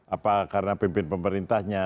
apa karena pimpin pemerintahnya